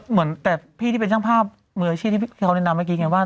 เหมือนแต่พี่ที่เป็นช่างภาพมืออาชีพที่เขาแนะนำเมื่อกี้ไงว่า